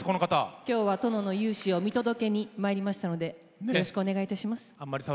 今日は殿の雄姿を見届けにまいりましたのでよろしくお願いします。